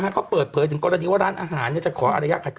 เขาเปิดเผยถึงกรณีว่าร้านอาหารจะขออนุญาตขัดคืน